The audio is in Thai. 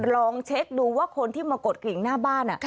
ลองเช็คดูว่าคนที่มากดกลิ่งหน้าบ้าน